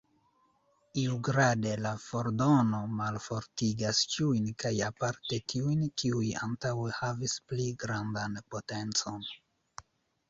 Iugrade, la fordono malfortigas ĉiujn kaj aparte tiujn, kiuj antaŭe havis pli grandan potencon.